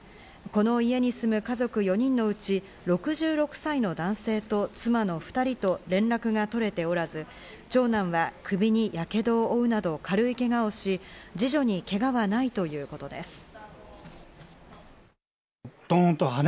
この家に住む家族４人のうち６６歳の男性と妻の２人と連絡が取れておらず、長男は首にやけどを負うなど軽いけがをし、二女にけがはないということです。